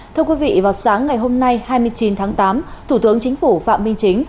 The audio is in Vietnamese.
thưa quý vị vào sáng ngày hôm nay hai mươi chín tháng tám thủ tướng chính phủ phạm minh chính